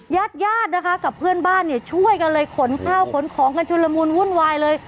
ญาติญาตินะคะกับเพื่อนบ้านเนี่ยช่วยกันเลยขนข้าวขนของกันชุนละมุนวุ่นวายเลย